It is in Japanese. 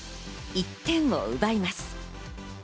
１点を奪います。